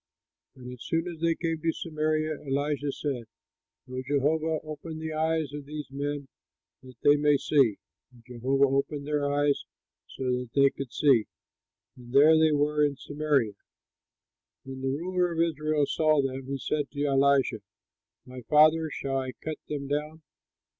But as soon as they came to Samaria, Elisha said, "O Jehovah, open the eyes of these men, that they may see." And Jehovah opened their eyes, so that they could see, and there they were in Samaria. When the ruler of Israel saw them, he said to Elisha, "My father, shall I cut them down?"